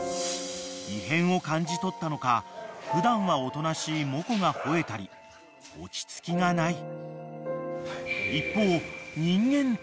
［異変を感じ取ったのか普段はおとなしいモコが吠えたり落ち着きがない］